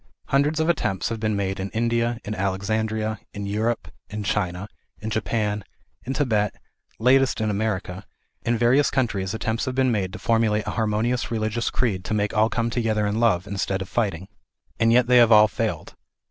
Hundreds of attempts have been in India, in Alexandria, in Europe, in China, in Japan, in Tibet, latest in America, in various countries attempts have been made to formulate a harmonious religious creed to make all come together in love, instead of fighting. And yet they have all failed.